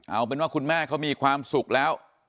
เอาเป็นว่าคุณแม่เขามีความสุขแล้ว